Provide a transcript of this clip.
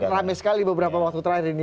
rame sekali beberapa waktu terakhir ini